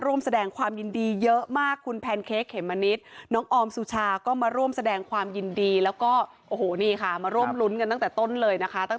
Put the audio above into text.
ต้องบอกว่าดีใจที่บรรยากาศึกภักดิ์แบบนี้กลับมา